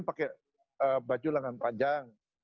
pakai baju langan panjang